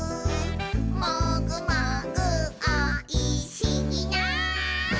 「もぐもぐおいしいな」